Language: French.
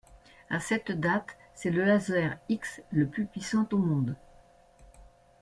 A cette date, c'est le laser X le plus puissant au monde.